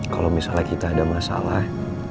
kalau misalnya kita ada masalah